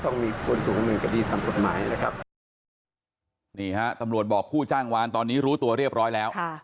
นี่ฮะตำรวจบอกผู้ช่างวานตอนนี้รู้ตัวเรียบร้อยแล้ว